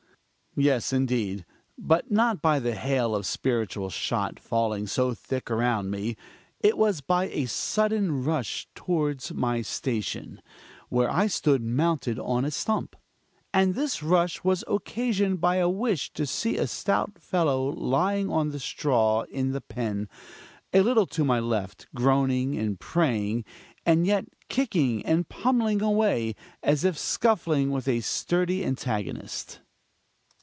Yes indeed but not by the hail of spiritual shot falling so thick around me; it was by a sudden rush towards my station, where I stood mounted on a stump. And this rush was occasioned by a wish to see a stout fellow lying on the straw in the pen, a little to my left, groaning and praying, and yet kicking and pummelling away as if scuffling with a sturdy antagonist.